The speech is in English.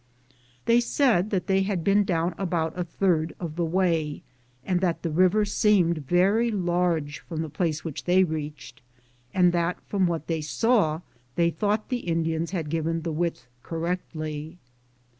They said that they had been down about a third of the way and that the river aeemed vary large from the place which they reached, and that from what they saw they thought the Indians had given the width correctly.